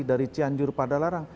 dari cianjur padalarang